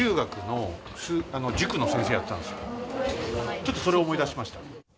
ちょっとそれを思い出しました。